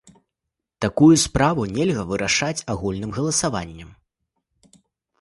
Такую справу нельга вырашаць агульным галасаваннем.